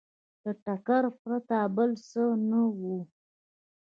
له ټکر پرته بل څه نه وو